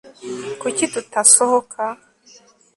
kuki tutasohoka